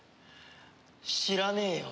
知らねえよ。